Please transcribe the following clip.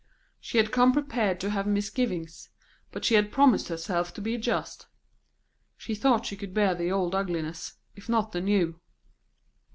She had come prepared to have misgivings, but she had promised herself to be just; she thought she could bear the old ugliness, if not the new.